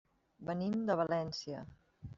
Venim de València.